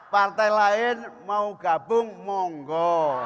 partai lain mau gabung monggo